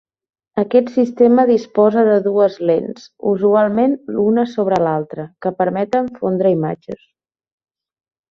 Aquest sistema disposa de dues lents, usualment una sobre l'altra, que permeten fondre imatges.